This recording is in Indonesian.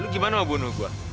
lo gimana mau bunuh gue